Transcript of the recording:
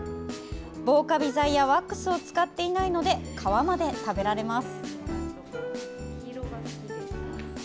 防カビ剤やワックスを使っていないので皮まで食べられます。